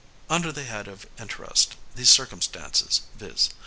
Under the head of interest, these circumstances, viz.